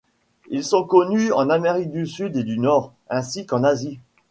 Ils sont connus en Amérique du Sud et du Nord, ainsi qu'en Asie.